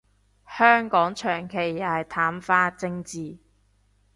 香港長期又係淡化政治